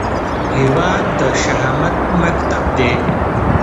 هیواد د شهامت مکتب دی